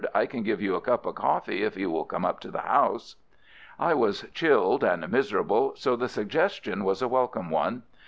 "I can give you a cup of coffee if you will come up to the house." I was chilled and miserable, so the suggestion was a welcome one.